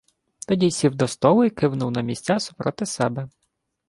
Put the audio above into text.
Тоді сів до столу й кивнув на місця супроти себе.